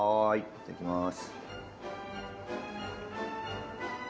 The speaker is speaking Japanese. いただきます。